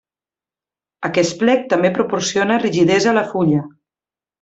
Aquest plec també proporciona rigidesa a la fulla.